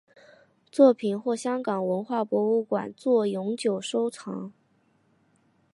作品获香港文化博物馆作永久收藏。